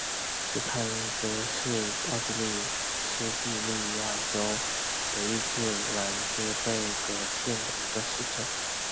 施泰因茨是奥地利施蒂利亚州德意志兰茨贝格县的一个市镇。